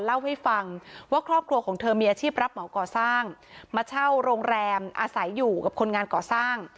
เล่าให้ฟังว่าครอบครัวของเธอมีอาชีพรับเหมาก่อสร้างมาเช่าโรงแรมอาศัยอยู่กับคนงานก่อสร้าง